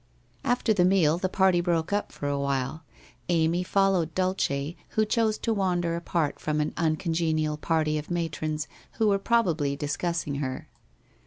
After the meal, the party broke up for a while. Amy followed Dulce, who chose to wander apart from an un congenial party of matrons who were probably discussing her.